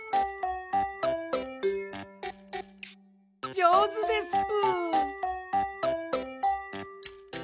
じょうずですぷ。